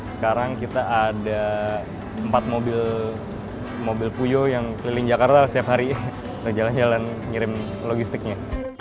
sekarang kita ada empat mobil puyo yang keliling jakarta setiap hari jalan jalan ngirim logistiknya